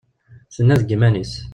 Tenna deg yiman-is.